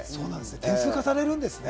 見透かされるんですね。